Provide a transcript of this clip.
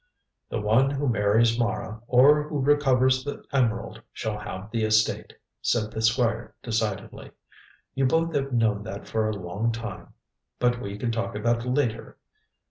"The one who marries Mara, or who recovers the emerald, shall have the estate," said the Squire decidedly. "You both have known that for a long time. But we can talk of that later.